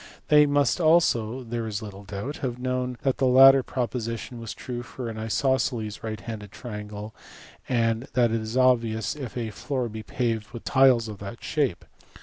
They must also, there is little doubt, have known that the latter proposition was true for an isosceles right angled triangle, as that is obvious if a floor be paved with tiles of that shape.